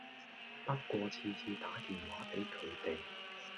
不過次次打電話俾佢哋